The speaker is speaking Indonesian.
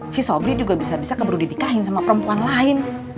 si sobri juga bisa bisa keberudinikahin sama perempuan lain